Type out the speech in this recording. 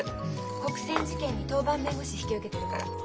国選事件に当番弁護士引き受けてるから。